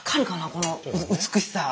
この美しさ。